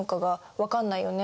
分かんないよね。